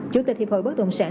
chủ tịch hiệp hội bất động sản